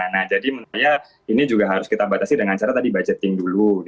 nah jadi menurut saya ini juga harus kita batasi dengan cara tadi budgeting dulu